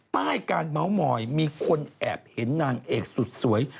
ใต้การเมาส์มอยมีคนแอบเห็นนางเอกสุดสวย